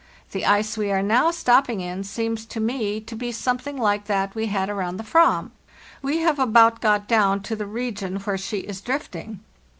The ice we are now stopping in seems to me to be something like that we had around the /ram. We have about got down to the region where she is drifting.